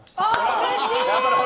うれしい！